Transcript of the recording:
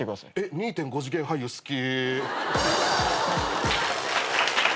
２．５次元俳優好き。